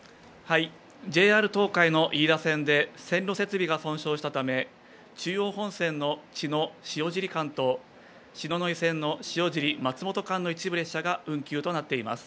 ＪＲ東海の飯田線で、線路設備が損傷したため、中央本線の茅野・塩尻間と篠ノ井線の塩尻・松本間の一部列車が運休となっています。